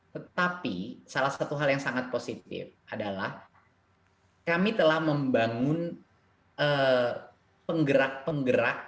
tetapi salah satu hal yang sangat positif adalah kami telah membangun penggerak penggerak